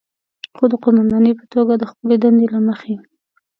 خو د قوماندانې په توګه د خپلې دندې له مخې،